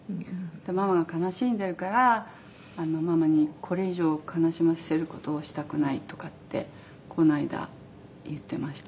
「“ママが悲しんでるからママにこれ以上悲しませる事をしたくない”とかってこの間言ってました」